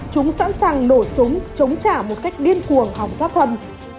chúng sẵn sàng nổi súng chống trả một cách điên cuồng hỏng thoát thân